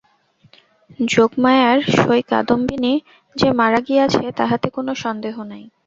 যোগমায়ার সই কাদম্বিনী যে মারা গিয়াছে তাহাতে কোনো সন্দেহ নাই।